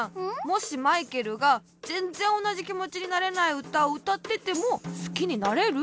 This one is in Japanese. もしマイケルがぜんぜんおなじきもちになれないうたをうたっててもすきになれる？